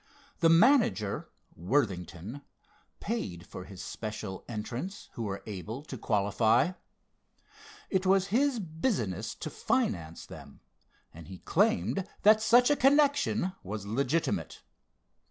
The manager, Worthington, paid for his special entrants, who were able to qualify. It was his business to finance them, and he claimed that such a connection was legitimate.